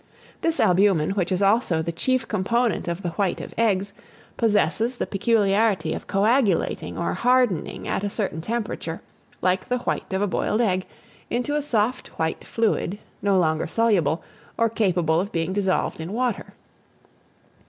This albumen, which is also the chief component of the white of eggs, possesses the peculiarity of coagulating or hardening at a certain temperature, like the white of a boiled egg, into a soft, white fluid, no longer soluble, or capable of being dissolved in water.